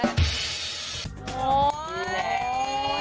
อยู่แล้ว